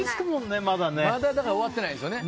まだ終わってないですね